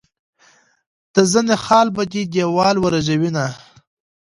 د زنه خال به دي دیوالۍ ورژوي.